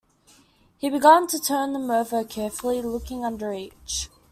He began to turn them over carefully, looking under each.